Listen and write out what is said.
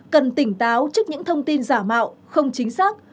cần tỉnh táo trước những thông tin giả mạo không chính xác